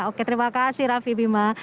oke terima kasih raffi bima